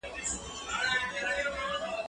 زه له سهاره نان خورم!.